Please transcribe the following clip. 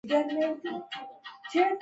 د غور شاهمشه معلق پل دی